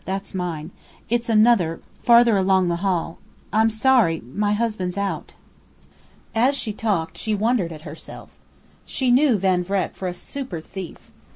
That's mine. It's another, farther along the hall. I'm sorry my husband's out." As she talked she wondered at herself. She knew Van Vreck for a super thief.